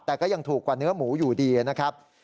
แต่ก็ยังถูกกว่าเนื้อหมูอยู่ดีนะครับ